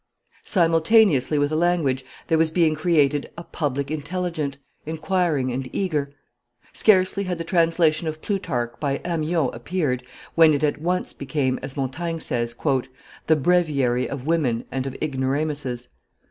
Simultaneously with the language there was being created a public intelligent, inquiring, and eager. Scarcely had the translation of Plutarch by Amyot appeared, when it at once became, as Montaigne says, "the breviary of women and of ignoramuses."